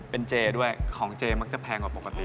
เป็นเจด้วยของเจมักจะแพงกว่าปกติ